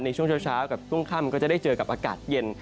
ในช่วงเช้ากับช่วงค่ำก็จะได้เจอกับอากาศเย็น